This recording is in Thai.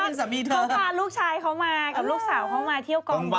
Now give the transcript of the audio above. เขาพาลูกชายเขามากับลูกสาวเขามาเที่ยวกองบุญ